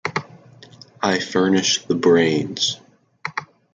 I furnish the brains.